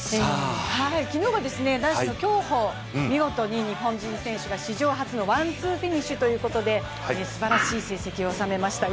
昨日は男子競歩、見事に日本人が史上初のワン・ツーフィニッシュということですばらしい成績を収めました